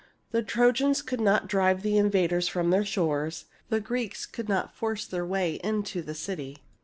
The Trojans could not drive the invaders from their shores ; the Greeks could not force their way into the city.